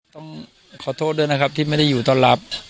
ต้องขอโทษด้วยนะครับที่ไม่ได้อยู่ต้อนรับ